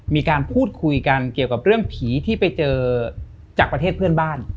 มีการพูดคุยกันเกี่ยวกับเรื่องผีที่ไปเจอจากประเทศเพื่อนบ้าน